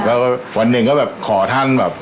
ก็วันหนึ่งก็แบบขอท่านแบบ